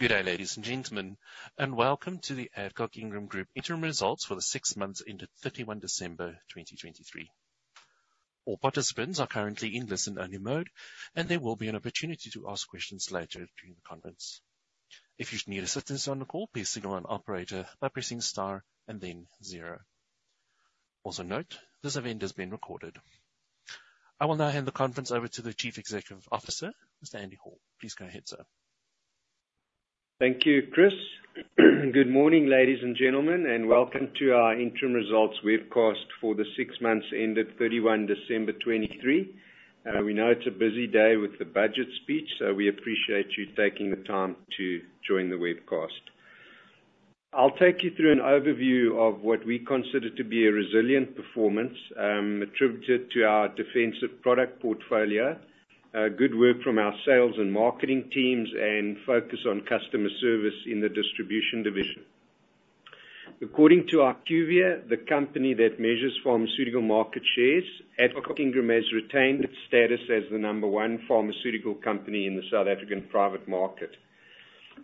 Good day, ladies and gentlemen, and welcome to the Adcock Ingram Group interim results for the 6 months into 31 December 2023. All participants are currently in listen-only mode, and there will be an opportunity to ask questions later during the conference. If you need assistance on the call, please signal an operator by pressing * and then 0. Also note, this event has been recorded. I will now hand the conference over to the Chief Executive Officer, Mr. Andy Hall. Please go ahead, sir. Thank you, Chris. Good morning, ladies and gentlemen, and welcome to our interim results webcast for the six months ended 31 December 2023. We know it's a busy day with the budget speech, so we appreciate you taking the time to join the webcast. I'll take you through an overview of what we consider to be a resilient performance attributed to our defensive product portfolio, good work from our sales and marketing teams, and focus on customer service in the distribution division. According to IQVIA, the company that measures pharmaceutical market shares, Adcock Ingram has retained its status as the number one pharmaceutical company in the South African private market.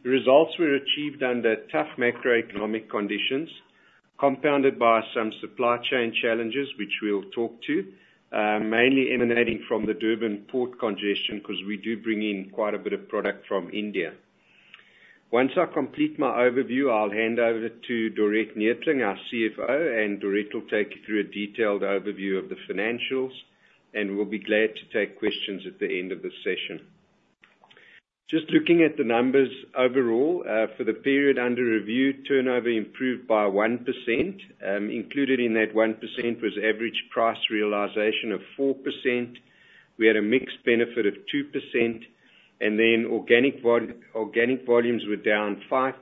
The results were achieved under tough macroeconomic conditions, compounded by some supply chain challenges, which we'll talk to, mainly emanating from the Durban port congestion because we do bring in quite a bit of product from India. Once I complete my overview, I'll hand over to Dorette Neethling, our CFO, and Dorette will take you through a detailed overview of the financials, and we'll be glad to take questions at the end of the session. Just looking at the numbers overall, for the period under review, turnover improved by 1%. Included in that 1% was average price realization of 4%. We had a mixed benefit of 2%, and then organic volumes were down 5%,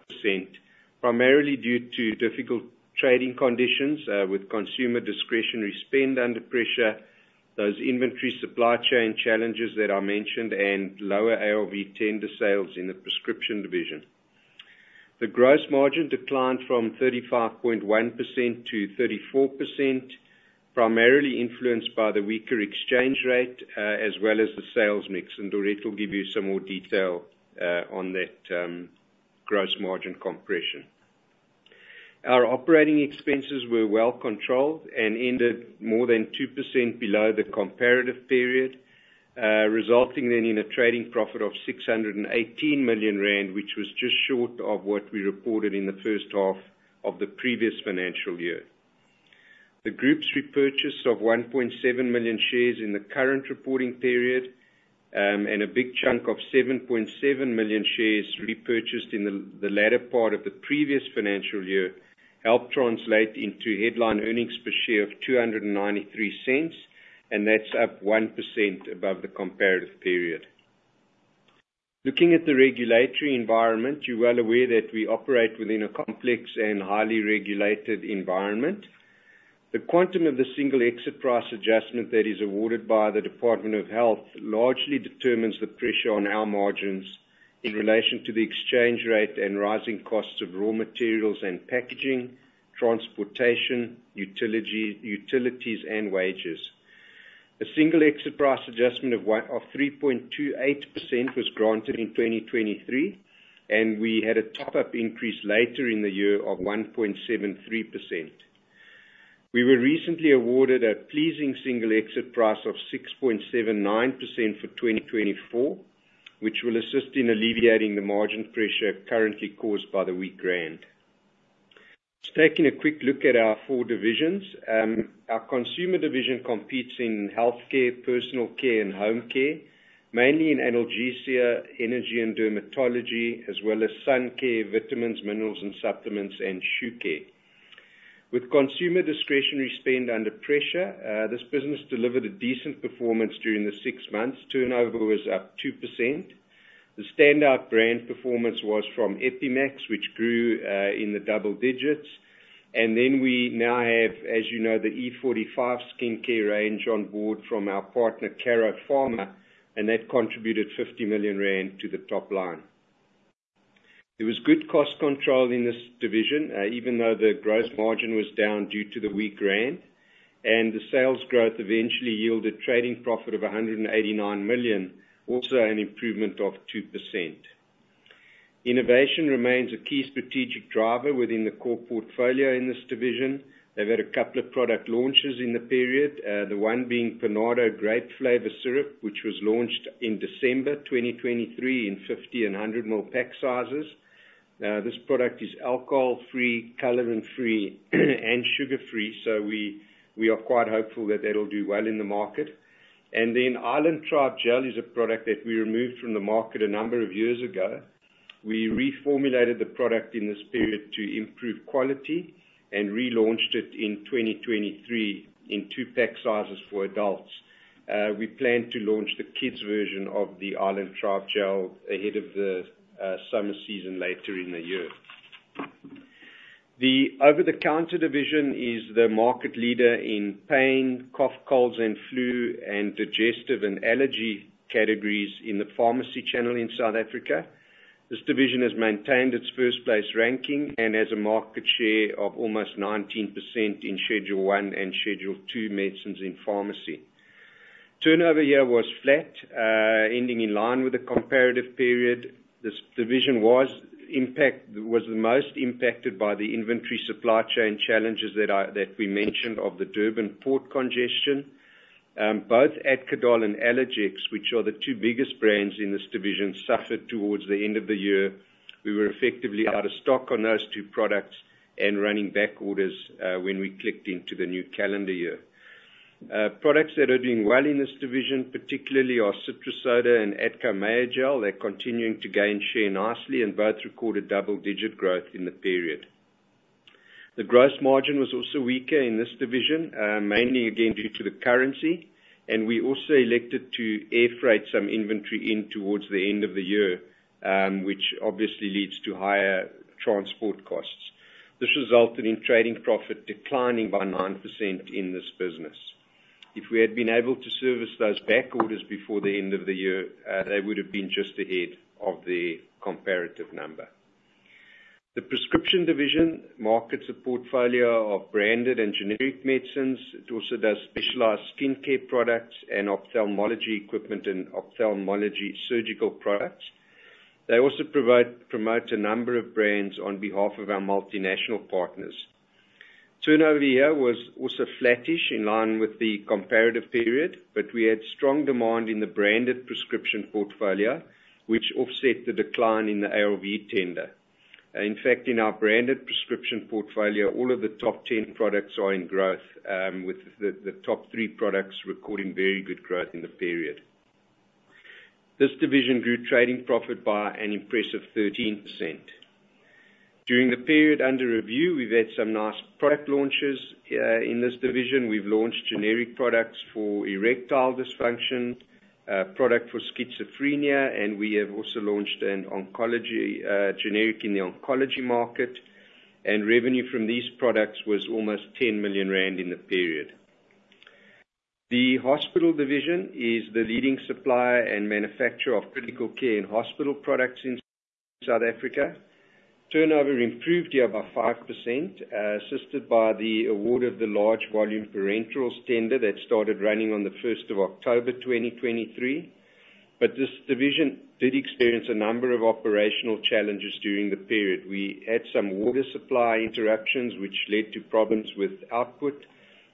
primarily due to difficult trading conditions with consumer discretionary spend under pressure, those inventory supply chain challenges that I mentioned, and lower ARV tender sales in the prescription division. The gross margin declined from 35.1%-34%, primarily influenced by the weaker exchange rate as well as the sales mix, and Dorette will give you some more detail on that gross margin compression. Our operating expenses were well controlled and ended more than 2% below the comparative period, resulting then in a trading profit of 618 million rand, which was just short of what we reported in the first half of the previous financial year. The group's repurchase of 1.7 million shares in the current reporting period and a big chunk of 7.7 million shares repurchased in the latter part of the previous financial year helped translate into headline earnings per share of 2.93, and that's up 1% above the comparative period. Looking at the regulatory environment, you're well aware that we operate within a complex and highly regulated environment. The quantum of the single exit price adjustment that is awarded by the Department of Health largely determines the pressure on our margins in relation to the exchange rate and rising costs of raw materials and packaging, transportation, utilities, and wages. A single exit price adjustment of 3.28% was granted in 2023, and we had a top-up increase later in the year of 1.73%. We were recently awarded a pleasing single exit price of 6.79% for 2024, which will assist in alleviating the margin pressure currently caused by the weak rand. Just taking a quick look at our four divisions. Our consumer division competes in healthcare, personal care, and home care, mainly in analgesia, energy, and dermatology, as well as sun care, vitamins, minerals, and supplements, and shoe care. With consumer discretionary spend under pressure, this business delivered a decent performance during the six months. Turnover was up 2%. The standout brand performance was from Epi-max, which grew in the double digits, and then we now have, as you know, the E45 skincare range on board from our partner Karo Pharma, and that contributed 50 million rand to the top line. There was good cost control in this division, even though the gross margin was down due to the weak rand, and the sales growth eventually yielded trading profit of 189 million, also an improvement of 2%. Innovation remains a key strategic driver within the core portfolio in this division. They've had a couple of product launches in the period, the one being Panado Grape Flavour Syrup, which was launched in December 2023 in 50 ml and 100 ml pack sizes. This product is alcohol-free, colorant-free, and sugar-free, so we are quite hopeful that that'll do well in the market. Island Tribe Gel is a product that we removed from the market a number of years ago. We reformulated the product in this period to improve quality and relaunched it in 2023 in two pack sizes for adults. We plan to launch the kids' version of the Island Tribe Gel ahead of the summer season later in the year. The over-the-counter division is the market leader in pain, cough, colds, and flu, and digestive and allergy categories in the pharmacy channel in South Africa. This division has maintained its first-place ranking and has a market share of almost 19% in Schedule I and Schedule II medicines in pharmacy. Turnover here was flat, ending in line with the comparative period. This division was the most impacted by the inventory supply chain challenges that we mentioned of the Durban port congestion. Both Adco-Dol and Allergex, which are the two biggest brands in this division, suffered towards the end of the year. We were effectively out of stock on those two products and running back orders when we clicked into the new calendar year. Products that are doing well in this division, particularly our Citro-Soda and Adco-Mayogel, are continuing to gain share nicely and both recorded double-digit growth in the period. The gross margin was also weaker in this division, mainly again due to the currency, and we also elected to air freight some inventory in towards the end of the year, which obviously leads to higher transport costs. This resulted in trading profit declining by 9% in this business. If we had been able to service those back orders before the end of the year, they would have been just ahead of the comparative number. The prescription division markets a portfolio of branded and generic medicines. It also does specialized skincare products and ophthalmology equipment and ophthalmology surgical products. They also promote a number of brands on behalf of our multinational partners. Turnover here was also flattish in line with the comparative period, but we had strong demand in the branded prescription portfolio, which offset the decline in the ALV tender. In fact, in our branded prescription portfolio, all of the top 10 products are in growth, with the top three products recording very good growth in the period. This division grew trading profit by an impressive 13%. During the period under review, we've had some nice product launches in this division. We've launched generic products for erectile dysfunction, a product for schizophrenia, and we have also launched a generic in the oncology market, and revenue from these products was almost 10 million rand in the period. The hospital division is the leading supplier and manufacturer of critical care and hospital products in South Africa. Turnover improved here by 5%, assisted by the award of the Large Volume Parenterals tender that started running on the 1st of October 2023, but this division did experience a number of operational challenges during the period. We had some water supply interruptions, which led to problems with output,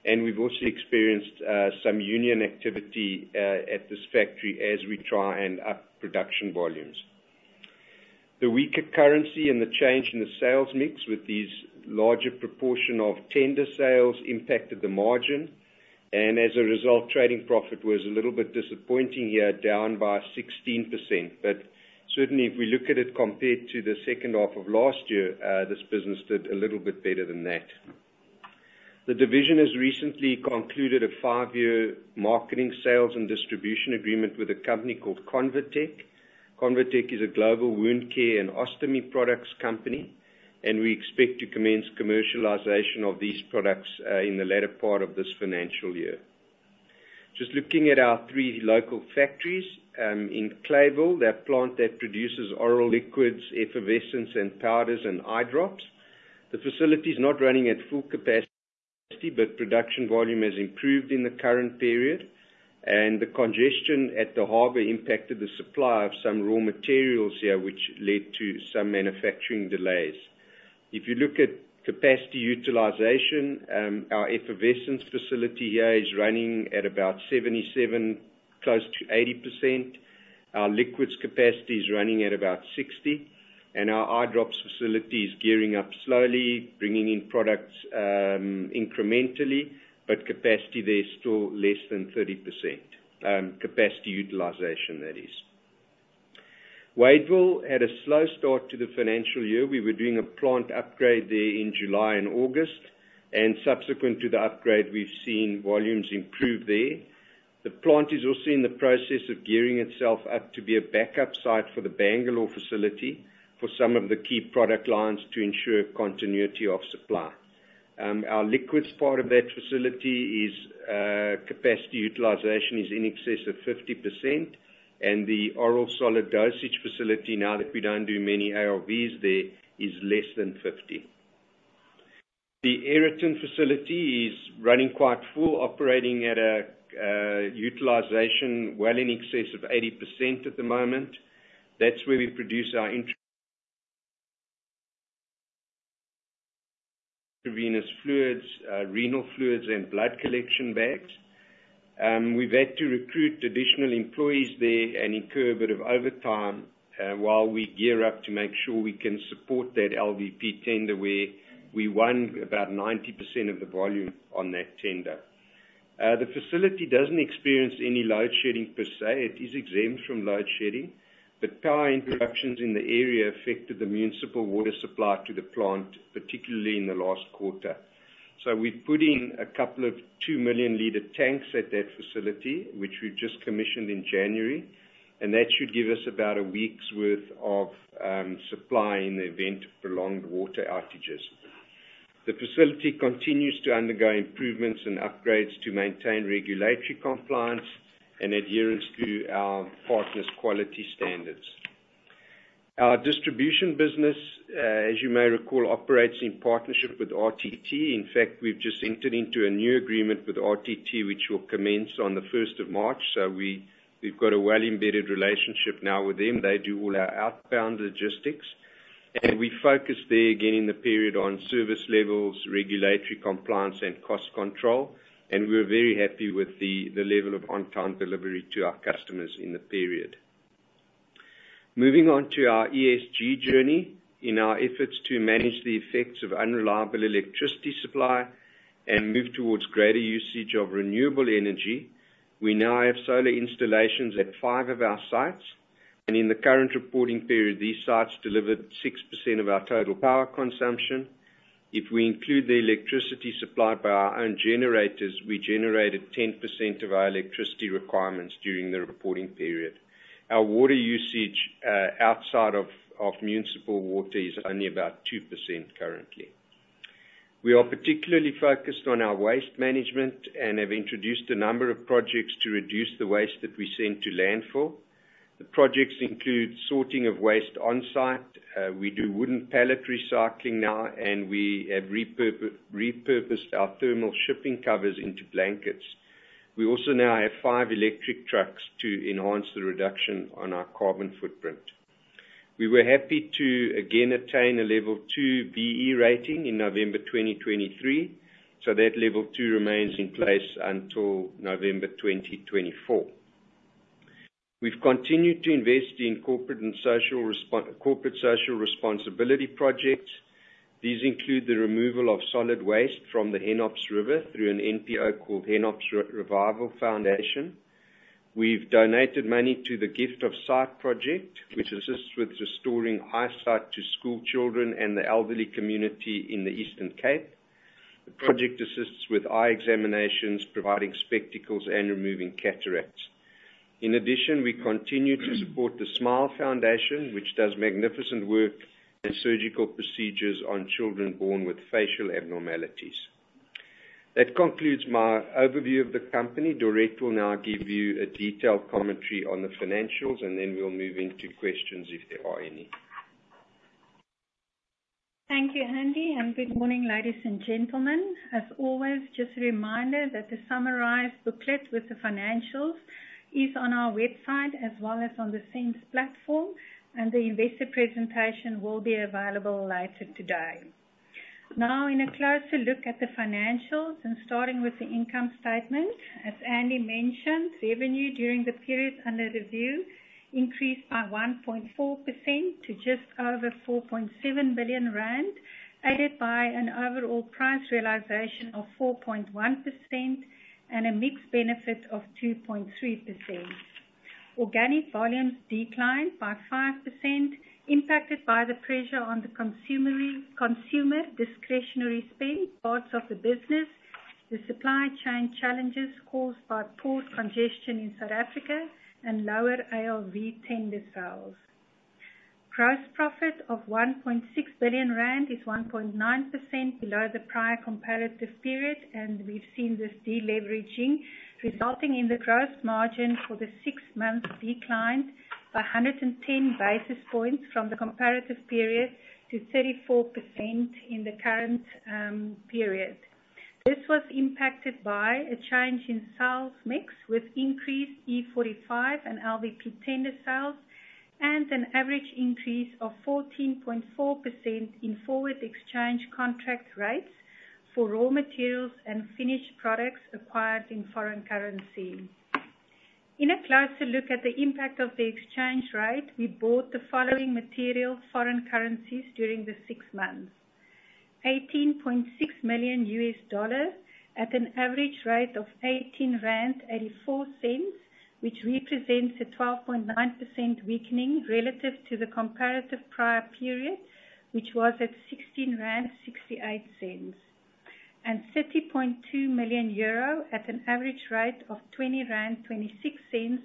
and we've also experienced some union activity at this factory as we try and up production volumes. The weaker currency and the change in the sales mix with these larger proportion of tender sales impacted the margin, and as a result, trading profit was a little bit disappointing here, down by 16%. But certainly, if we look at it compared to the second half of last year, this business did a little bit better than that. The division has recently concluded a five-year marketing sales and distribution agreement with a company called Convatec. Convatec is a global wound care and ostomy products company, and we expect to commence commercialization of these products in the latter part of this financial year. Just looking at our three local factories. In Clayville, they have a plant that produces oral liquids, effervescents, powders, and eye drops. The facility's not running at full capacity, but production volume has improved in the current period, and the congestion at the harbor impacted the supply of some raw materials here, which led to some manufacturing delays. If you look at capacity utilization, our effervescents facility here is running at about 77%, close to 80%. Our liquids capacity is running at about 60%, and our eye drops facility is gearing up slowly, bringing in products incrementally, but capacity there's still less than 30%, capacity utilization, that is. Wadeville had a slow start to the financial year. We were doing a plant upgrade there in July and August, and subsequent to the upgrade, we've seen volumes improve there. The plant is also in the process of gearing itself up to be a backup site for the Bangalore facility for some of the key product lines to ensure continuity of supply. Our liquids part of that facility's capacity utilization is in excess of 50%, and the oral solid dosage facility, now that we don't do many ALVs there, is less than 50. The Aeroton facility is running quite full, operating at a utilization well in excess of 80% at the moment. That's where we produce our intravenous fluids, renal fluids, and blood collection bags. We've had to recruit additional employees there and incur a bit of overtime while we gear up to make sure we can support that LVP tender where we won about 90% of the volume on that tender. The facility doesn't experience any load shedding per se. It is exempt from load shedding, but power interruptions in the area affected the municipal water supply to the plant, particularly in the last quarter. So we've put in a couple of 2 million-liter tanks at that facility, which we've just commissioned in January, and that should give us about a week's worth of supply in the event of prolonged water outages. The facility continues to undergo improvements and upgrades to maintain regulatory compliance and adherence to our partner's quality standards. Our distribution business, as you may recall, operates in partnership with RTT. In fact, we've just entered into a new agreement with RTT, which will commence on the 1st of March, so we've got a well-embedded relationship now with them. They do all our outbound logistics, and we focus there again in the period on service levels, regulatory compliance, and cost control, and we're very happy with the level of on-time delivery to our customers in the period. Moving on to our ESG journey, in our efforts to manage the effects of unreliable electricity supply and move towards greater usage of renewable energy, we now have solar installations at five of our sites, and in the current reporting period, these sites delivered 6% of our total power consumption. If we include the electricity supplied by our own generators, we generated 10% of our electricity requirements during the reporting period. Our water usage outside of municipal water is only about 2% currently. We are particularly focused on our waste management and have introduced a number of projects to reduce the waste that we send to landfill. The projects include sorting of waste on-site. We do wooden pallet recycling now, and we have repurposed our thermal shipping covers into blankets. We also now have 5 electric trucks to enhance the reduction on our carbon footprint. We were happy to again attain a Level 2 B-BBEE rating in November 2023, so that Level 2 remains in place until November 2024. We've continued to invest in corporate social responsibility projects. These include the removal of solid waste from the Hennops River through an NPO called Hennops Revival Foundation. We've donated money to the Gift of Sight project, which assists with restoring eyesight to school children and the elderly community in the Eastern Cape. The project assists with eye examinations, providing spectacles, and removing cataracts. In addition, we continue to support the Smile Foundation, which does magnificent work and surgical procedures on children born with facial abnormalities. That concludes my overview of the company. Dorette will now give you a detailed commentary on the financials, and then we'll move into questions if there are any. Thank you, Andy, and good morning, ladies and gentlemen. As always, just a reminder that the summarized booklet with the financials is on our website as well as on the CENS platform, and the investor presentation will be available later today. Now, in a closer look at the financials, and starting with the income statement, as Andy mentioned, revenue during the period under review increased by 1.4% to just over 4.7 billion rand, aided by an overall price realization of 4.1% and a mix benefit of 2.3%. Organic volumes declined by 5%, impacted by the pressure on the consumer discretionary spend parts of the business, the supply chain challenges caused by port congestion in South Africa, and lower ALV tender sales. Gross profit of 1.6 billion rand is 1.9% below the prior comparative period, and we've seen this deleveraging resulting in the gross margin for the six months declined by 110 basis points from the comparative period to 34% in the current period. This was impacted by a change in sales mix with increased E45 and LVP tender sales, and an average increase of 14.4% in forward exchange contract rates for raw materials and finished products acquired in foreign currency. In a closer look at the impact of the exchange rate, we bought the following material foreign currencies during the six months: $18.6 million at an average rate of 18.84 rand, which represents a 12.9% weakening relative to the comparative prior period, which was at 16.68 rand, and 30.2 million euro at an average rate of ZAR 20.26,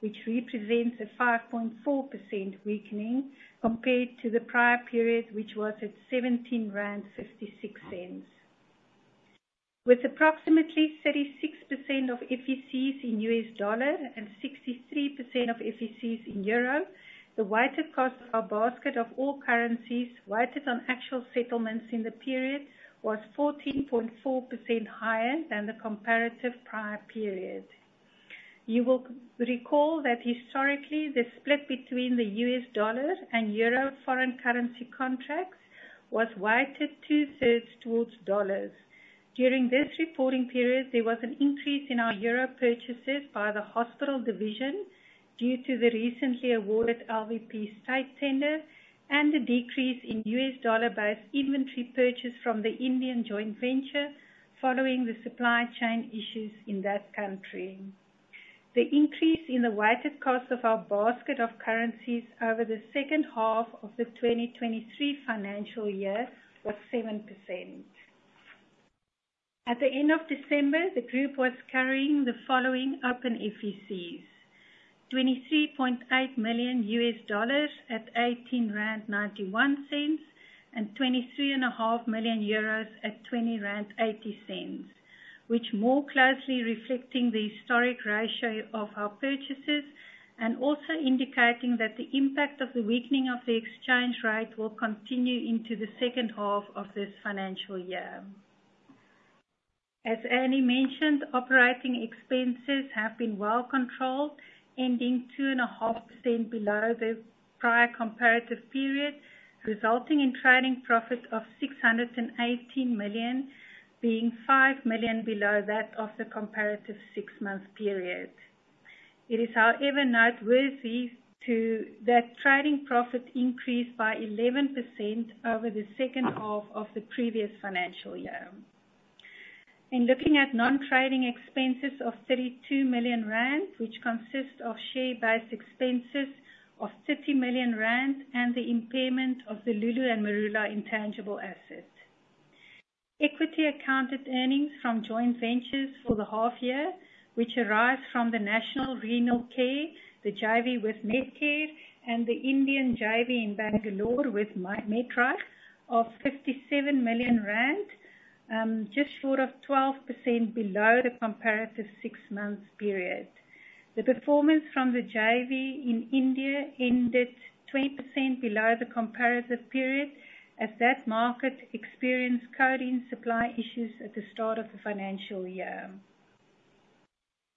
which represents a 5.4% weakening compared to the prior period, which was at 17.56 rand. With approximately 36% of FECs in U.S. dollar and 63% of FECs in euro, the weighted cost of our basket of all currencies weighted on actual settlements in the period was 14.4% higher than the comparative prior period. You will recall that historically, the split between the US dollar and euro foreign currency contracts was weighted two-thirds towards dollars. During this reporting period, there was an increase in our euro purchases by the hospital division due to the recently awarded LVP site tender and the decrease in U.S. dollar-based inventory purchase from the Indian joint venture following the supply chain issues in that country. The increase in the weighted cost of our basket of currencies over the second half of the 2023 financial year was 7%. At the end of December, the group was carrying the following open FECs: $23.8 million at 18.91 rand and 23.5 million euros at 20.80 rand, which more closely reflect the historic ratio of our purchases and also indicating that the impact of the weakening of the exchange rate will continue into the second half of this financial year. As Andy mentioned, operating expenses have been well controlled, ending 2.5% below the prior comparative period, resulting in trading profit of 618 million, being 5 million below that of the comparative six-month period. It is, however, noteworthy that trading profit increased by 11% over the second half of the previous financial year. In looking at non-trading expenses of 32 million rand, which consist of share-based expenses of 30 million rand and the impairment of the Lulu & Marula intangible assets. Equity accounted earnings from joint ventures for the half year, which arise from the National Renal Care, the JV with Netcare, and the Indian JV in Bangalore with Medreich, are 57 million rand, just short of 12% below the comparative six-month period. The performance from the JV in India ended 20% below the comparative period as that market experienced codeine supply issues at the start of the financial year.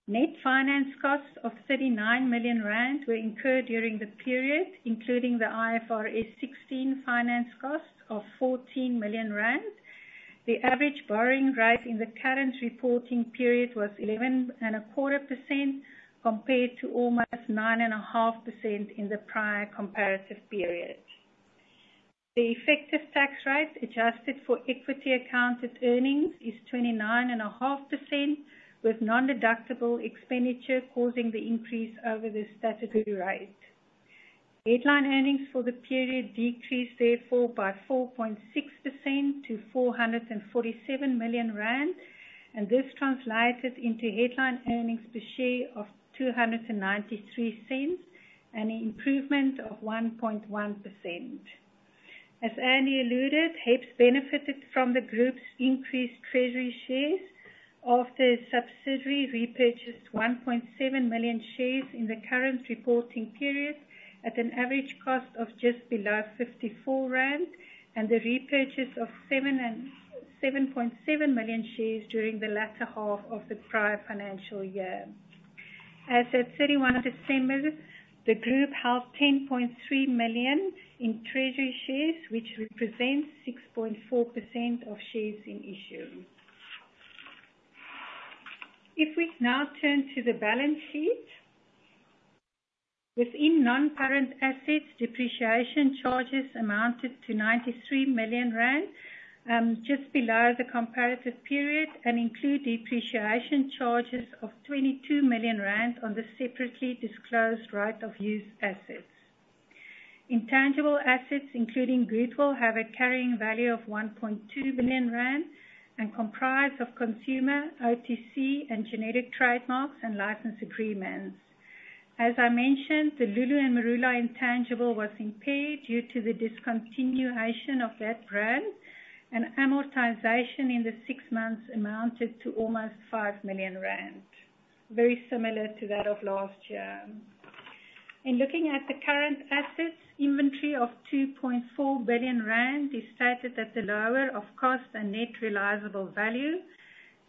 Net finance costs of 39 million rand were incurred during the period, including the IFRS 16 finance costs of 14 million rand. The average borrowing rate in the current reporting period was 11.25% compared to almost 9.5% in the prior comparative period. The effective tax rate adjusted for equity accounted earnings is 29.5%, with non-deductible expenditure causing the increase over the statutory rate. Headline earnings for the period decreased, therefore, by 4.6% to 447 million rand, and this translated into headline earnings per share of 2.93, an improvement of 1.1%. As Andy alluded, HEPS benefited from the group's increased treasury shares after subsidiary repurchased 1.7 million shares in the current reporting period at an average cost of just below 54 rand and the repurchase of 7.7 million shares during the latter half of the prior financial year. As at 31 December, the group held 10.3 million in treasury shares, which represents 6.4% of shares in issue. If we now turn to the balance sheet, within non-current assets, depreciation charges amounted to 93 million rand, just below the comparative period, and include depreciation charges of 22 million rand on the separately disclosed right of use assets. Intangible assets, including goodwill, have a carrying value of 1.2 million rand and comprise of consumer, OTC, and generics trademarks and license agreements. As I mentioned, the Lulu and Marula intangible was impaired due to the discontinuation of that brand, and amortization in the six months amounted to almost 5 million rand, very similar to that of last year. In looking at the current assets, inventory of 2.4 billion rand is stated at the lower of cost and net realizable value,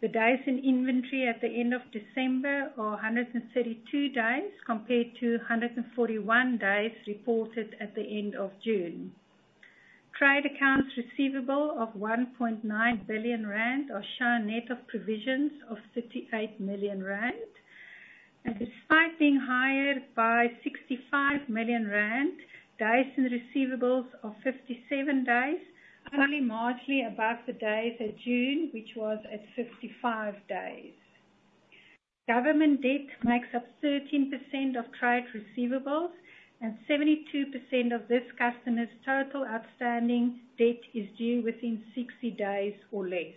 the days in inventory at the end of December are 132 days compared to 141 days reported at the end of June. Trade accounts receivable of 1.9 billion rand are shown net of provisions of 38 million rand, and despite being higher by 65 million rand, days in receivables are 57 days, only marginally above the days of June, which was at 55 days. Government debt makes up 13% of trade receivables, and 72% of this customer's total outstanding debt is due within 60 days or less.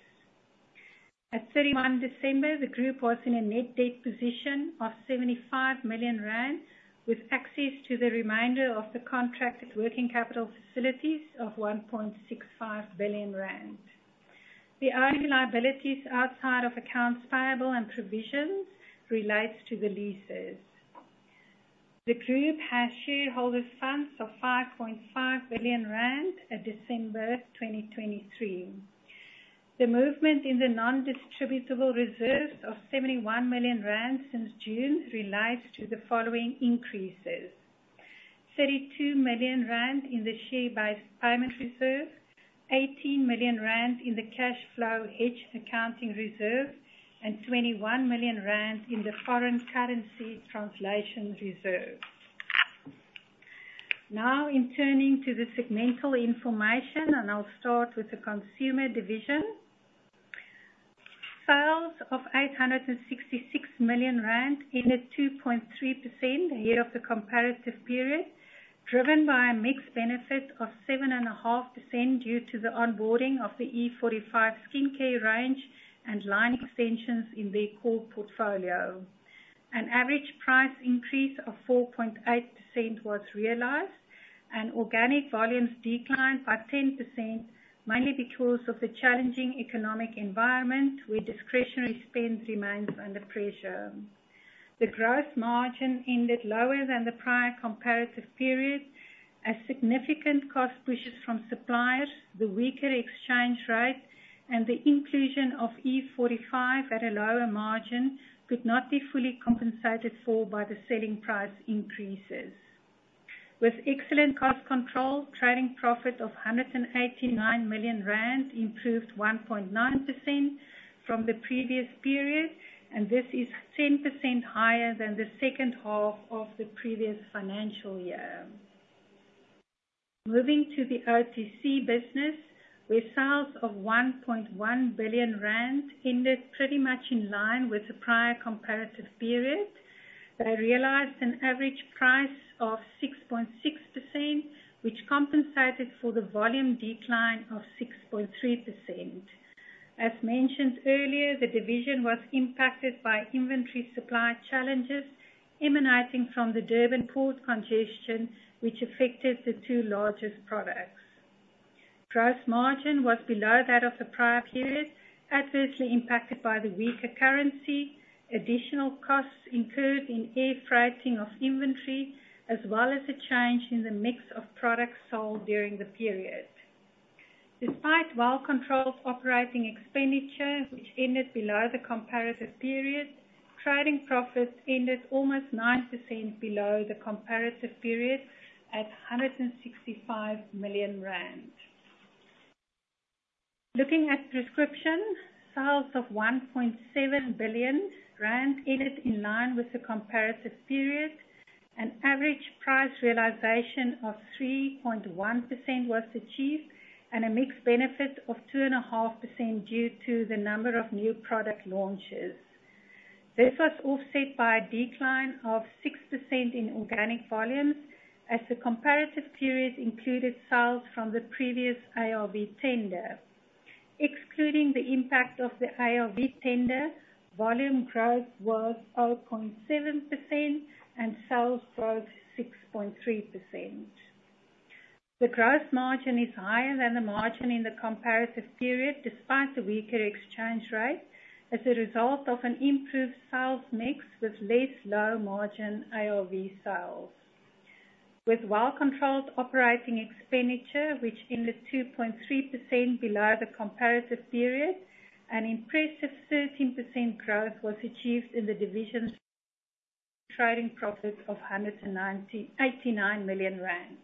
At 31 December, the group was in a net debt position of 75 million rand, with access to the remainder of the contracted working capital facilities of 1.65 billion rand. The only liabilities outside of accounts payable and provisions relate to the leases. The group has shareholder funds of 5.5 billion rand at December 2023. The movement in the non-distributable reserves of 71 million rand since June relates to the following increases: 32 million rand in the share-based payment reserve, 18 million rand in the cash flow hedged accounting reserve, and 21 million rand in the foreign currency translation reserve. Now, in turning to the segmental information, and I'll start with the consumer division, sales of 866 million rand ended 2.3% a year of the comparative period, driven by a mixed benefit of 7.5% due to the onboarding of the E45 skincare range and line extensions in their core portfolio. An average price increase of 4.8% was realized, and organic volumes declined by 10% mainly because of the challenging economic environment where discretionary spend remains under pressure. The gross margin ended lower than the prior comparative period as significant cost pushes from suppliers, the weaker exchange rate, and the inclusion of E45 at a lower margin could not be fully compensated for by the selling price increases. With excellent cost control, trading profit of 189 million rand improved 1.9% from the previous period, and this is 10% higher than the second half of the previous financial year. Moving to the OTC business, where sales of 1.1 billion rand ended pretty much in line with the prior comparative period, they realized an average price of 6.6%, which compensated for the volume decline of 6.3%. As mentioned earlier, the division was impacted by inventory supply challenges emanating from the Durban port congestion, which affected the two largest products. Gross margin was below that of the prior period, adversely impacted by the weaker currency, additional costs incurred in air freighting of inventory, as well as a change in the mix of products sold during the period. Despite well-controlled operating expenditure, which ended below the comparative period, trading profit ended almost 9% below the comparative period at 165 million rand. Looking at prescription, sales of 1.7 billion rand ended in line with the comparative period. An average price realization of 3.1% was achieved, and a mixed benefit of 2.5% due to the number of new product launches. This was offset by a decline of 6% in organic volumes as the comparative period included sales from the previous ALV tender. Excluding the impact of the ALV tender, volume growth was 0.7% and sales growth 6.3%. The gross margin is higher than the margin in the comparative period despite the weaker exchange rate as a result of an improved sales mix with less low margin ALV sales. With well-controlled operating expenditure, which ended 2.3% below the comparative period, an impressive 13% growth was achieved in the division's trading profit of 189 million rand.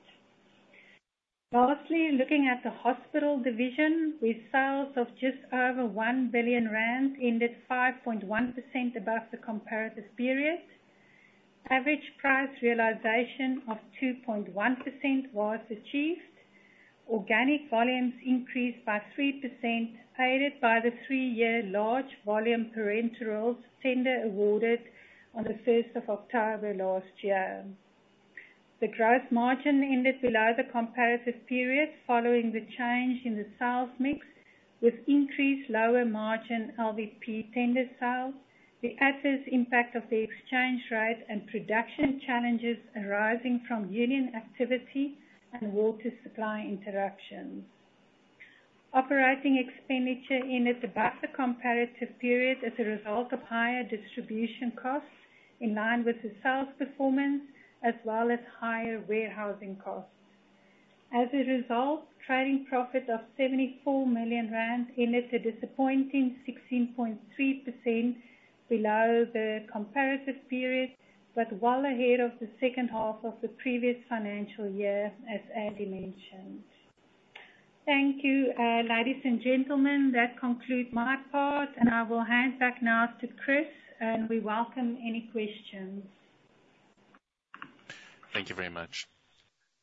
Lastly, looking at the hospital division, where sales of just over 1 billion rand ended 5.1% above the comparative period, average price realization of 2.1% was achieved, organic volumes increased by 3% aided by the three-year large volume parenterals tender awarded on the 1st of October last year. The gross margin ended below the comparative period following the change in the sales mix with increased lower margin LVP tender sales, the adverse impact of the exchange rate, and production challenges arising from union activity and water supply interruptions. Operating expenditure ended above the comparative period as a result of higher distribution costs in line with the sales performance, as well as higher warehousing costs. As a result, trading profit of 74 million rand ended at a disappointing 16.3% below the comparative period, but well ahead of the second half of the previous financial year, as Andy mentioned. Thank you, ladies and gentlemen. That concludes my part, and I will hand back now to Chris, and we welcome any questions. Thank you very much.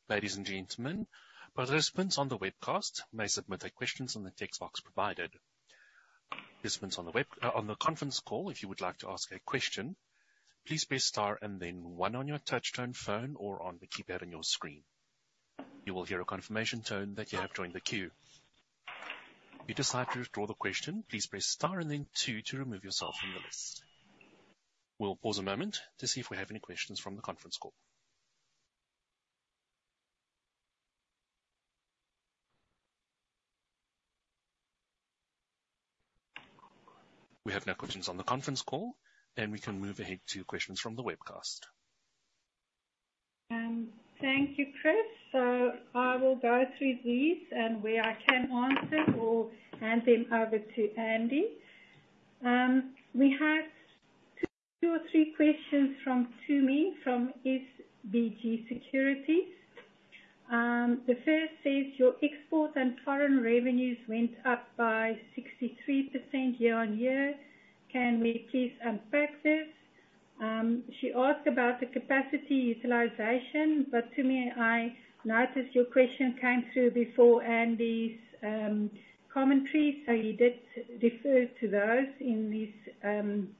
Ladies and gentlemen, participants on the webcast may submit their questions in the text box provided. Participants on the web on the conference call, if you would like to ask a question, please press star and then one on your touchtone phone or on the keypad on your screen. You will hear a confirmation tone that you have joined the queue. If you decide to withdraw the question, please press star and then two to remove yourself from the list. We'll pause a moment to see if we have any questions from the conference call. We have no questions on the conference call, and we can move ahead to questions from the webcast. Thank you, Chris. So I will go through these, and where I can answer or hand them over to Andy. We have two or three questions from Tumi from SBG Securities. The first says, "Your exports and foreign revenues went up by 63% year-on-year. Can we please unpack this?" She asked about the capacity utilization, but Tumi, I noticed your question came through before Andy's commentary, so he did refer to those in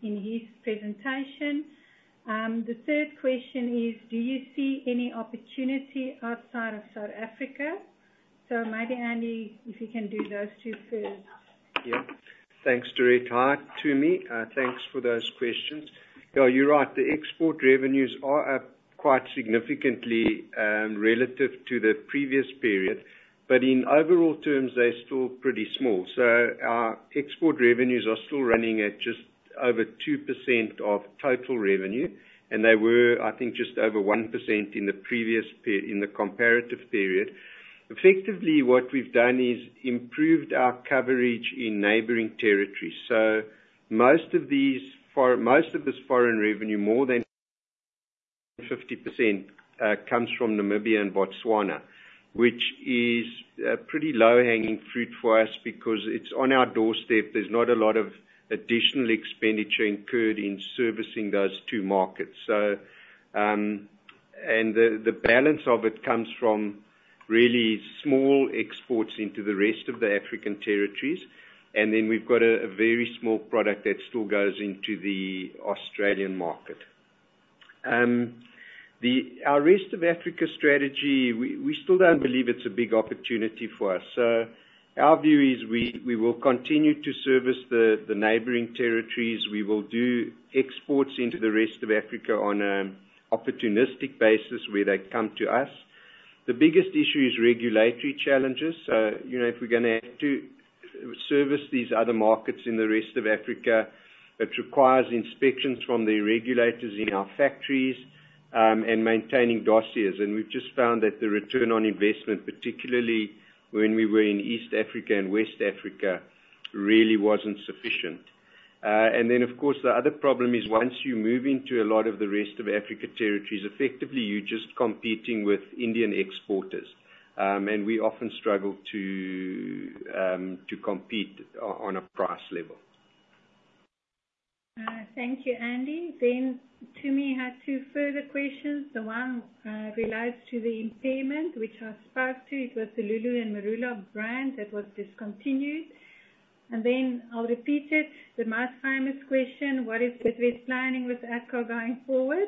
his presentation. The third question is, "Do you see any opportunity outside of South Africa?" So maybe Andy, if you can do those two first. Yeah. Thanks, Dorette. Hi, Tumi. Thanks for those questions. Yeah, you're right. The export revenues are up quite significantly relative to the previous period, but in overall terms, they're still pretty small. So our export revenues are still running at just over 2% of total revenue, and they were, I think, just over 1% in the previous in the comparative period. Effectively, what we've done is improved our coverage in neighboring territories. So most of these for most of this foreign revenue, more than 50%, comes from Namibia and Botswana, which is a pretty low-hanging fruit for us because it's on our doorstep. There's not a lot of additional expenditure incurred in servicing those two markets. And the balance of it comes from really small exports into the rest of the African territories, and then we've got a very small product that still goes into the Australian market. Our rest of Africa strategy, we still don't believe it's a big opportunity for us. So our view is we will continue to service the neighboring territories. We will do exports into the rest of Africa on an opportunistic basis where they come to us. The biggest issue is regulatory challenges. So if we're going to have to service these other markets in the rest of Africa, it requires inspections from the regulators in our factories and maintaining dossiers. And we've just found that the return on investment, particularly when we were in East Africa and West Africa, really wasn't sufficient. And then, of course, the other problem is once you move into a lot of the rest of Africa territories, effectively, you're just competing with Indian exporters, and we often struggle to compete on a price level. Thank you, Andy. Then Tumi had two further questions. The one relates to the impairment, which I spoke to. It was the Lulu and Marula brand that was discontinued. And then I'll repeat it, the most famous question, "What is WWF planning with Adcock going forward?"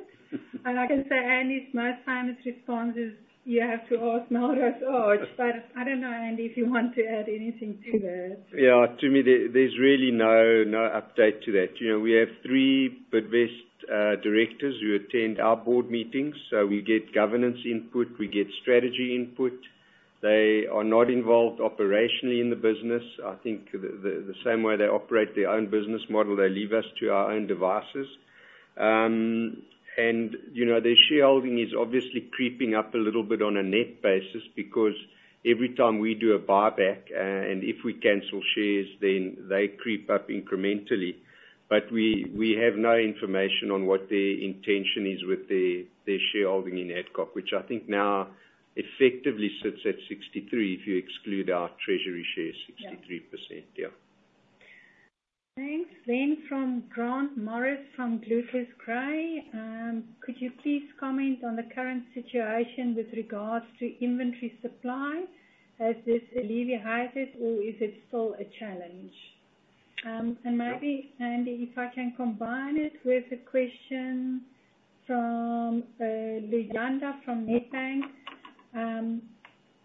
And I can say Andy's most famous response is, "You have to ask Mark Steyn." But I don't know, Andy, if you want to add anything to that. Yeah. Tumi, there's really no update to that. We have three WWF directors who attend our board meetings, so we get governance input, we get strategy input. They are not involved operationally in the business. I think the same way they operate their own business model, they leave us to our own devices. Their shareholding is obviously creeping up a little bit on a net basis because every time we do a buyback, and if we cancel shares, then they creep up incrementally. We have no information on what their intention is with their shareholding in Adcock, which I think now effectively sits at 63% if you exclude our treasury shares. Yeah. Thanks. Then from Grant Morris from ClucasGray, could you please comment on the current situation with regards to inventory supply? Has this alleviated, or is it still a challenge? And maybe, Andy, if I can combine it with a question from Luyanda from Nedbank,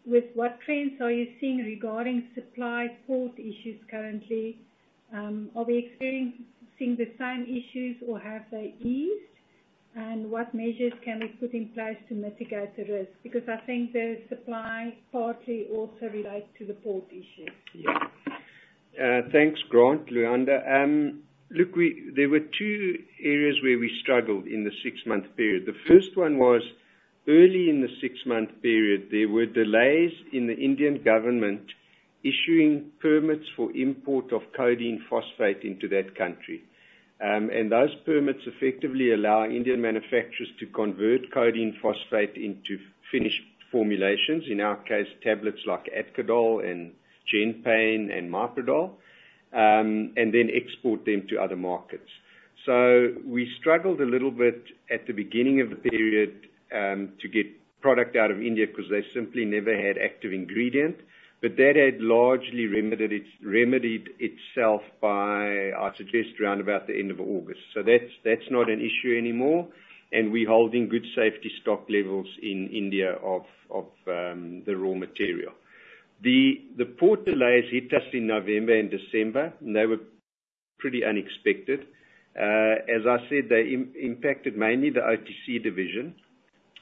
with what trends are you seeing regarding supply port issues currently? Are we seeing the same issues, or have they eased? And what measures can we put in place to mitigate the risk? Because I think the supply partly also relates to the port issues. Yeah. Thanks, Grant, Luyanda. Look, there were two areas where we struggled in the six-month period. The first one was early in the six-month period. There were delays in the Indian government issuing permits for import of codeine phosphate into that country. And those permits effectively allow Indian manufacturers to convert codeine phosphate into finished formulations, in our case, tablets like Adcodol and Gen-Payne and Myprodol, and then export them to other markets. So we struggled a little bit at the beginning of the period to get product out of India because they simply never had active ingredient, but that had largely remedied itself by, I suggest, round about the end of August. So that's not an issue anymore, and we're holding good safety stock levels in India of the raw material. The port delays hit us in November and December, and they were pretty unexpected. As I said, they impacted mainly the OTC division.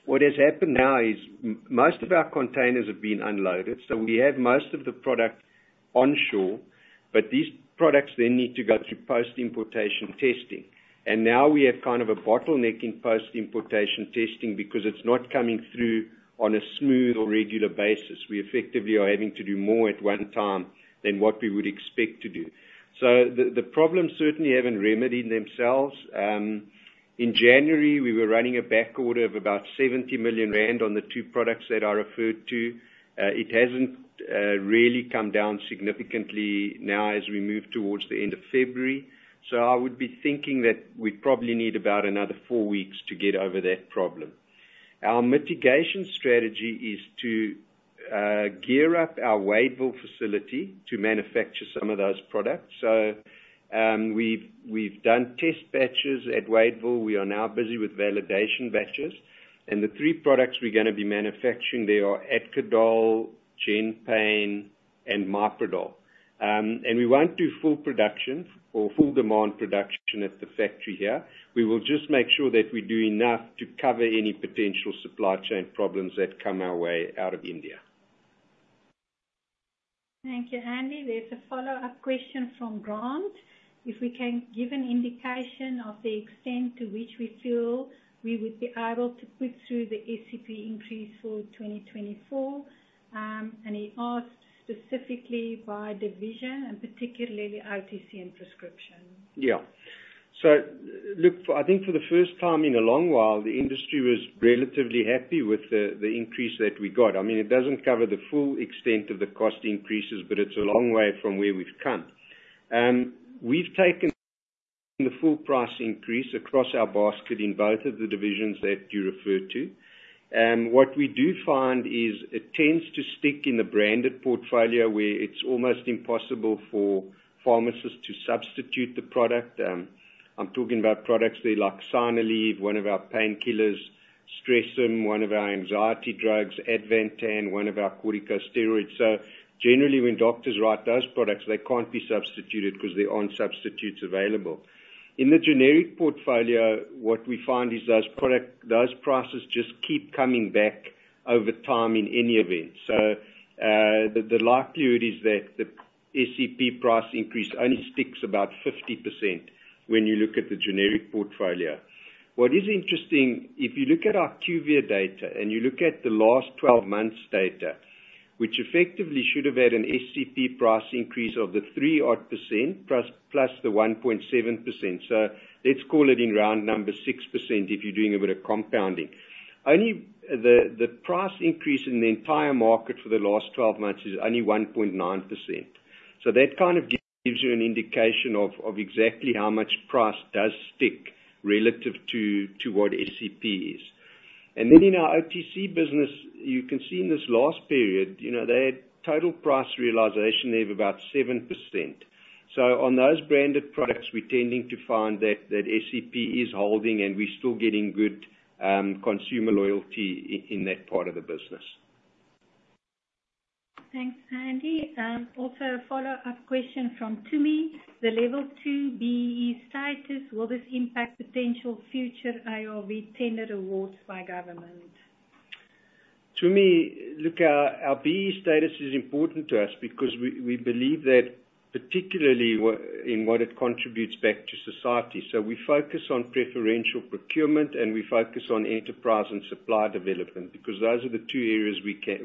What has happened now is most of our containers have been unloaded, so we have most of the product onshore, but these products then need to go through post-importation testing. And now we have kind of a bottleneck in post-importation testing because it's not coming through on a smooth or regular basis. We effectively are having to do more at one time than what we would expect to do. So the problems certainly haven't remedied themselves. In January, we were running a backorder of about 70 million rand on the two products that I referred to. It hasn't really come down significantly now as we move towards the end of February. So I would be thinking that we'd probably need about another four weeks to get over that problem. Our mitigation strategy is to gear up our Wadeville facility to manufacture some of those products. So we've done test batches at Wadeville. We are now busy with validation batches. And the three products we're going to be manufacturing, they are Adcodol, Genpain, and Marpredol. And we won't do full production or full demand production at the factory here. We will just make sure that we do enough to cover any potential supply chain problems that come our way out of India. Thank you, Andy. There's a follow-up question from Grant. If we can give an indication of the extent to which we feel we would be able to put through the SCP increase for 2024, and he asked specifically by division and particularly OTC and prescription. Yeah. So look, I think for the first time in a long while, the industry was relatively happy with the increase that we got. I mean, it doesn't cover the full extent of the cost increases, but it's a long way from where we've come. We've taken the full price increase across our basket in both of the divisions that you referred to. What we do find is it tends to stick in the branded portfolio where it's almost impossible for pharmacists to substitute the product. I'm talking about products there like Synaleve, one of our painkillers. Stresam, one of our anxiety drugs. Advantan, one of our corticosteroids. So generally, when doctors write those products, they can't be substituted because there aren't substitutes available. In the generic portfolio, what we find is those prices just keep coming back over time in any event. So the likelihood is that the SCP price increase only sticks about 50% when you look at the generic portfolio. What is interesting, if you look at our IQVIA data and you look at the last 12 months' data, which effectively should have had an SCP price increase of the 3-odd%+ the 1.7%, so let's call it in round number 6% if you're doing a bit of compounding, the price increase in the entire market for the last 12 months is only 1.9%. So that kind of gives you an indication of exactly how much price does stick relative to what SCP is. And then in our OTC business, you can see in this last period, they had total price realization there of about 7%. So on those branded products, we're tending to find that SEP is holding, and we're still getting good consumer loyalty in that part of the business. Thanks, Andy. Also, a follow-up question from Tumi. The Level 2 B-BBEE status, will this impact potential future ARV tender awards by government? Tumi, look, our BEE status is important to us because we believe that particularly in what it contributes back to society. So we focus on preferential procurement, and we focus on enterprise and supply development because those are the two areas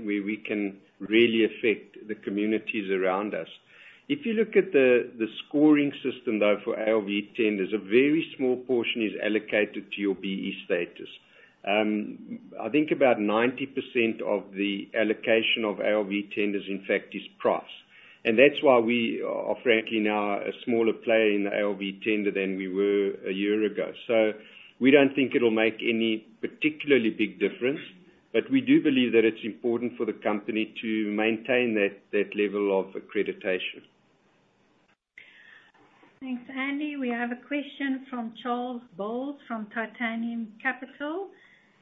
where we can really affect the communities around us. If you look at the scoring system, though, for ARV tenders, a very small portion is allocated to your BEE status. I think about 90% of the allocation of ARV tenders, in fact, is price. And that's why we are, frankly, now a smaller player in the ARV tender than we were a year ago. So we don't think it'll make any particularly big difference, but we do believe that it's important for the company to maintain that level of accreditation. Thanks, Andy. We have a question from Charles Bowles from Tantalum Capital.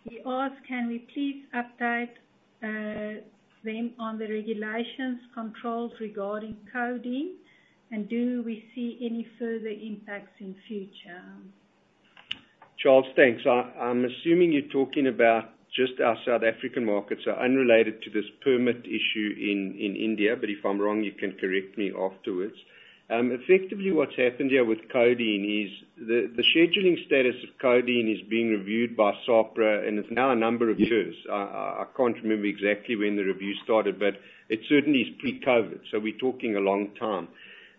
He asks, "Can we please update them on the regulatory controls regarding codeine, and do we see any further impacts in future? Charles, thanks. I'm assuming you're talking about just our South African markets, so unrelated to this permit issue in India, but if I'm wrong, you can correct me afterward. Effectively, what's happened here with codeine is the scheduling status of codeine is being reviewed by SAPRA, and it's now a number of years. I can't remember exactly when the review started, but it certainly is pre-COVID, so we're talking a long time.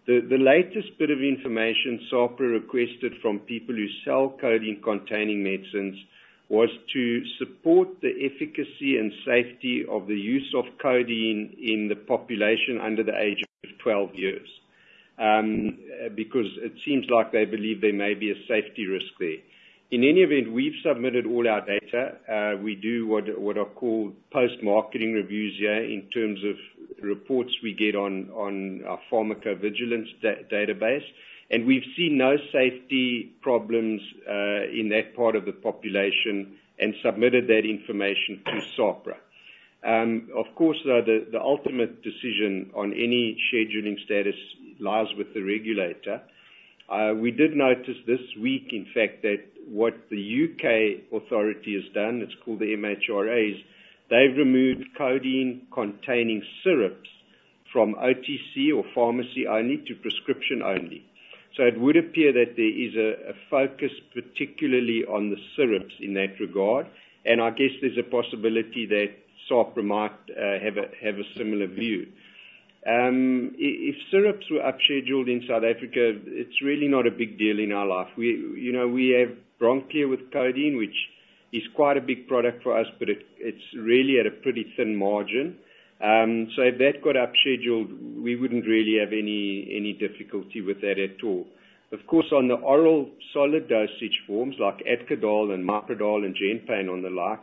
The latest bit of information SAPRA requested from people who sell codeine-containing medicines was to support the efficacy and safety of the use of codeine in the population under the age of 12 years because it seems like they believe there may be a safety risk there. In any event, we've submitted all our data. We do what are called post-marketing reviews here in terms of reports we get on our pharmacovigilance database, and we've seen no safety problems in that part of the population and submitted that information to SAHPRA. Of course, though, the ultimate decision on any scheduling status lies with the regulator. We did notice this week, in fact, that what the U.K. authority has done, it's called the MHRA, they've removed codeine-containing syrups from OTC or pharmacy-only to prescription-only. So it would appear that there is a focus particularly on the syrups in that regard, and I guess there's a possibility that SAHPRA might have a similar view. If syrups were upscheduled in South Africa, it's really not a big deal in our life. We have BronCleer with codeine, which is quite a big product for us, but it's really at a pretty thin margin. So if that got upscheduled, we wouldn't really have any difficulty with that at all. Of course, on the oral solid dosage forms like Adcodol and Marpredol and Genpain and the like,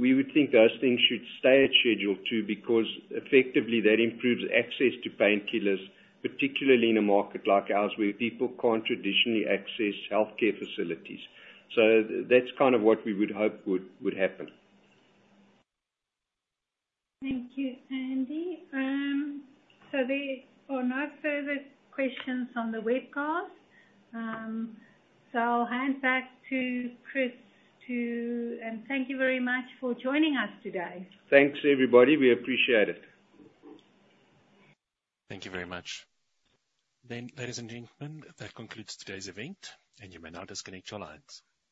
we would think those things should stay at schedule too because effectively, that improves access to painkillers, particularly in a market like ours where people can't traditionally access healthcare facilities. So that's kind of what we would hope would happen. Thank you, Andy. So there are no further questions on the webcast, so I'll hand back to Chris, and thank you very much for joining us today. Thanks, everybody. We appreciate it. Thank you very much. Then, ladies and gentlemen, that concludes today's event, and you may now disconnect your lines.